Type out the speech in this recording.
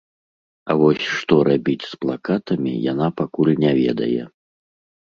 А вось што рабіць з плакатамі, яна пакуль не ведае.